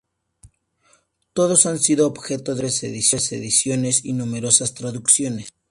Todos han sido objeto de múltiples ediciones y numerosas traducciones.